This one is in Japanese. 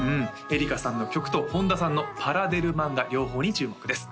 うんｅｒｉｃａさんの曲と本多さんのパラデル漫画両方に注目です